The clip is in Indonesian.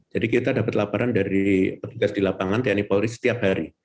jadi kita dapat laporan dari petugas di lapangan tni polri setiap hari